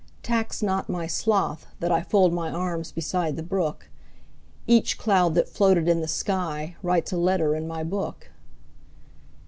Tax not my sloth that IFold my arms beside the brook; Each cloud that floated in the skyWrites a letter in my book.